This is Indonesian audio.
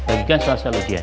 sudah bagikan soal soal ujian